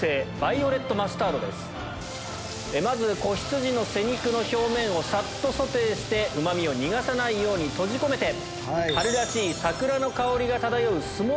まず仔羊の背肉の表面をさっとソテーしてうま味を逃がさないように閉じ込めて春らしい。